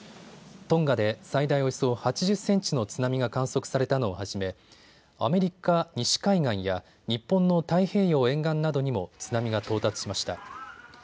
トンガで最大およそ８０センチの津波が観測されたのをはじめアメリカ西海岸や日本の太平洋沿岸などにも津波が到達しました。